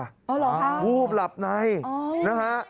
อ๋อเหรอครับหุ้บหลับในนะฮะ